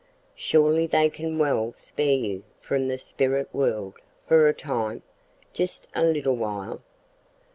Surely they can well spare you from the spirit world for a time just a little while.